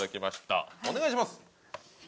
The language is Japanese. お願いします！